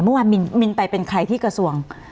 เมื่อวานมินไปเป็นใครที่กระทรวง